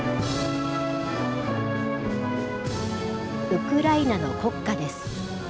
ウクライナの国歌です。